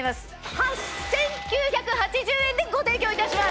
８９８０円でご提供いたします！